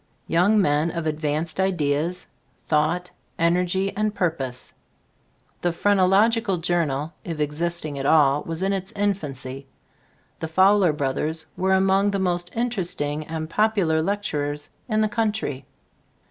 Young men of advanced ideas, thought, energy and purpose. The "Phrenological Journal," if existing at all, was in its infancy. The Fowler brothers were among the most interesting and popular lectur ers in the country.